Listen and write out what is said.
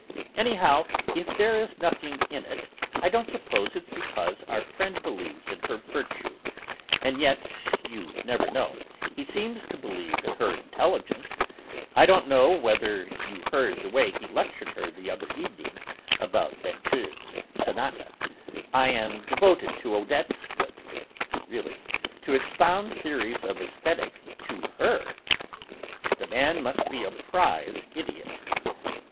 "Anyhow, if there is nothing in it, I don't suppose it's because our friend believes in her virtue. And yet, you never know; he seems to believe in her intelligence. I don't know whether you heard the way he lectured her the other evening about Vinteuil's sonata. I am devoted to Odette, but really to expound theories of aesthetic to her the man must be a prize idiot."